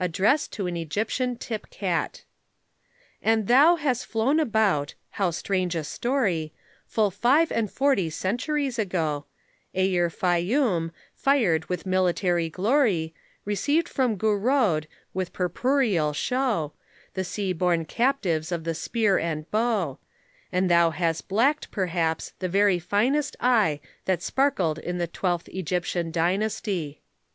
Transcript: ADDRESS TO AN EGYPTIAN TIP CAT. And thou has flown about how strange a story Full five and forty centuries ago, Ere Fayoum, fired with military glory, Received from Gurod, with purpureal show, The sea born captives of the spear and bow; And thou has blacked, perhaps, the very finest eye That sparkled in the Twelfth Egyptian Dynasty.